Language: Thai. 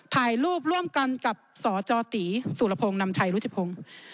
ถ่ายรูปร่วมกันกับสจตีสุรพงศ์นำชัยรุจิพงศ์